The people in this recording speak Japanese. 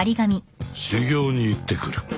「修行に行って来る」